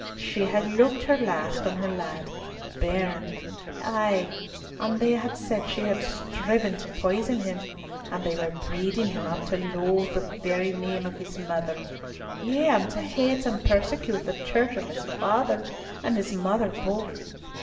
She had looked her last on her lad—bairn; ay, and they had said she had striven to poison him, and they were breeding him up to loathe the very name of his mother; yea, and to hate and persecute the Church of his father and his mother both.